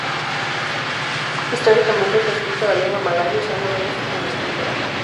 Históricamente, se ha escrito la lengua malaya usando varios tipos de escritura.